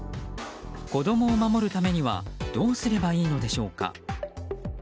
子供を守るためにはどうすればいいのでしょうか。